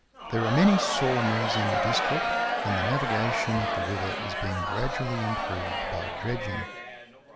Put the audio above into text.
There are many saw mills in the district, and the navigation of the river is being gradually improved by dredging.